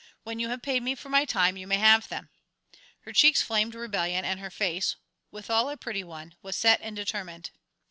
When you have paid me for my time you may have them." Her cheeks flamed rebellion, and her face, withal a pretty one, was set and determined.